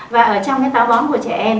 và ở trong cái táo bón của trẻ em